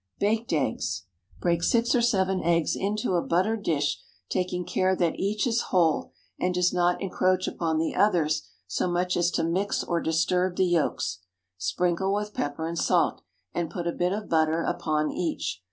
BAKED EGGS. Break six or seven eggs into a buttered dish, taking care that each is whole, and does not encroach upon the others so much as to mix or disturb the yolks. Sprinkle with pepper and salt, and put a bit of butter upon each.